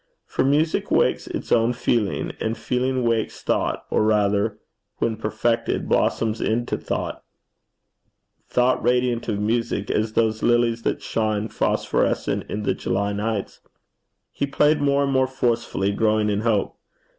For music wakes its own feeling, and feeling wakes thought, or rather, when perfected, blossoms into thought, thought radiant of music as those lilies that shine phosphorescent in the July nights. He played more and more forcefully, growing in hope.